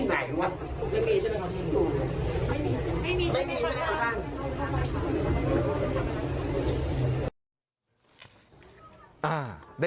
ไม่มีธรรมดาไม่มีธรรมดา